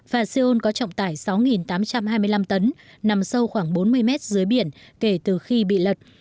và seoul có trọng tải sáu tám trăm hai mươi năm tấn nằm sâu khoảng bốn mươi mét dưới biển kể từ khi bị lật